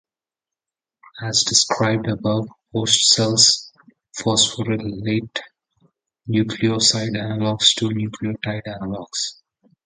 As described above, host cells phosphorylate nucleoside analogs to nucleotide analogs.